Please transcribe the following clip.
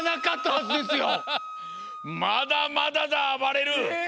まだまだだあばれる！え！